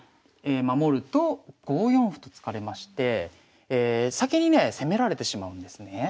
守ると５四歩と突かれまして先にね攻められてしまうんですね。